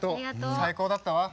最高だったわ。